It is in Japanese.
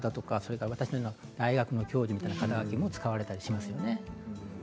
私のような大学の教授という肩書が使われたりもしますよね。